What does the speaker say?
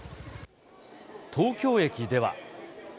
東京駅では。